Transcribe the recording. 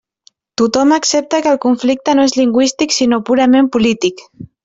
Tothom accepta que el conflicte no és lingüístic sinó purament polític.